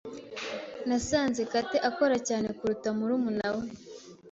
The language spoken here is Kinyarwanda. Nasanze Kate akora cyane kuruta murumuna we.